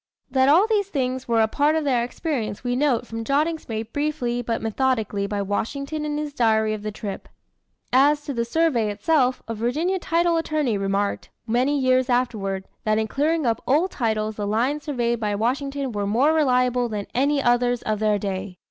That all these things were a part of their experience we note from jottings made briefly but methodically by Washington in his diary of the trip. As to the survey itself, a Virginia title attorney remarked, many years afterward, that in clearing up old titles the lines surveyed by Washington were more reliable than any others of their day.